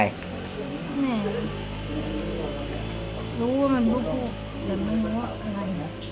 แม่รู้ว่ามันลูกหลุกแต่มันรู้ว่าอะไรนะ